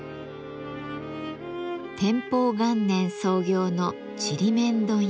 天保元年創業のちりめん問屋。